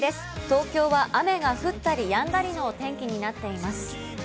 東京は雨が降ったり止んだりの天気になっています。